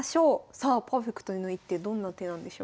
さあパーフェクトな一手どんな手なんでしょうか。